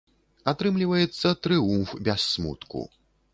Атрымліваецца трыумф без смутку.